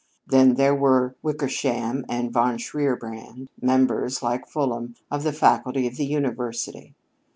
Then there were Wickersham and Von Shierbrand, members, like Fulham, of the faculty of the University.